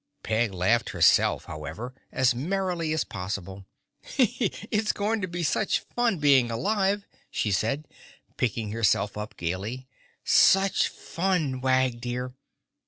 Peg laughed herself, however, as merrily as possible. "It's going to be such fun being alive," she said, picking herself up gaily, "such fun, Wag dear.